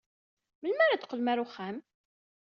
Melmi ara teqqlem ɣer uxxam?